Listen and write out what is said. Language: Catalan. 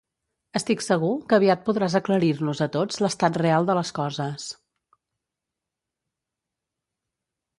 Estic segur que aviat podràs aclarir-nos a tots l'estat real de les coses.